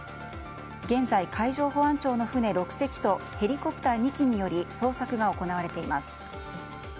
現在、海上保安庁の船６隻とヘリコプター２機により捜索が行われています。